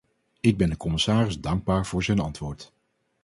Ik ben de commissaris dankbaar voor zijn antwoord.